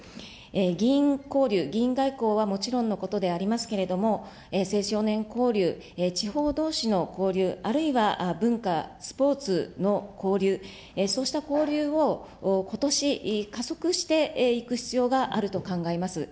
議員交流、議員外交はもちろんのことでありますけれども、青少年交流、地方どうしの交流、あるいは文化、スポーツの交流、そうした交流をことし、加速していく必要があると考えます。